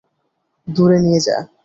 দূরে নিয়ে যা।